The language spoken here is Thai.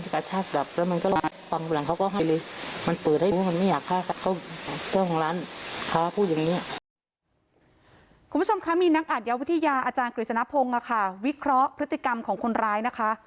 คุณผู้ชมคะมีนักอาทยาวิทยาอาจารย์กฤษณพงศ์วิเคราะห์พฤติกรรมของคนร้ายนะคะ